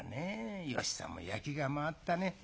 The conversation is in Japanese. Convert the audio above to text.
芳さんも焼きが回ったね。